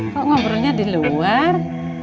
kok ngobrolnya di luar